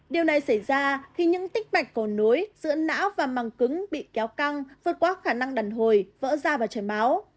điều này xảy ra khi những tích mạch cổ núi giữa não và mảng cứng bị kéo căng vượt qua khả năng đần hồi vỡ ra và chảy máu